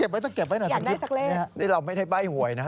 เก็บไว้ต้องเก็บไว้หน่อยอยากได้สักเลขนี่เราไม่ได้ใบ้หวยนะ